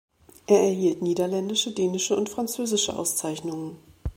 Er erhielt niederländische, dänische und französische Auszeichnungen.